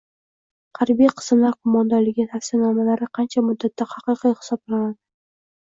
harbiy qismlar qo‘mondonligi tavsiyanomalari qancha muddatda haqiqiy hisoblanadi?